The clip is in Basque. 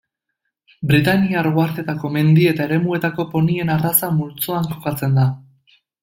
Britainiar uhartetako mendi eta eremuetako ponien arraza multzoan kokatzen da.